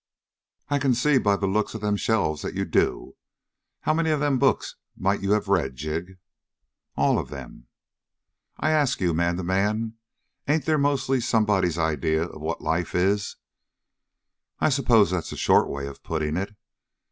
"I can see by the looks of them shelves that you do. How many of them books might you have read, Jig?" "All of them." "I ask you, man to man, ain't they mostly somebody's idea of what life is?" "I suppose that's a short way of putting it."